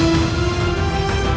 kau akan menang